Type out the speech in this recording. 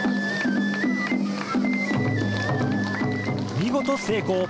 見事成功。